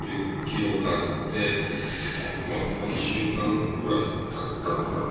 １０ｋｇ買って、１週間くらいたったのかな。